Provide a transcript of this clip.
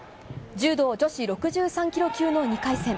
柔道女子６３キロ級の２回戦。